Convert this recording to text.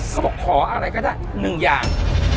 ก็บอกขออะไรก็ได้๑อย่าง